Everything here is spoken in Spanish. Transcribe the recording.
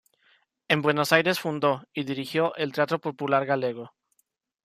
En Buenos Aires fundó y dirigió el Teatro Popular Galego.